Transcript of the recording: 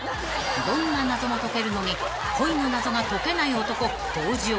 ［どんな謎も解けるのに恋の謎が解けない男登場］